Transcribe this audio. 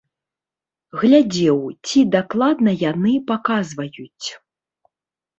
Глядзеў, ці дакладна яны паказваюць.